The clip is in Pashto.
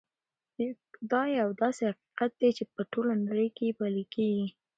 دا یو داسې حقیقت دی چې په ټوله نړۍ کې پلی کېږي.